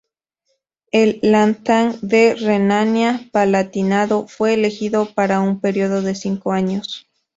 El Landtag de Renania-Palatinado fue elegido para un período de cinco años.